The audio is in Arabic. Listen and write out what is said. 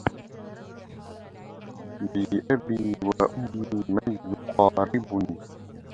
بأبي وأمي من يقاربني